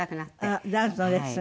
あっダンスのレッスン。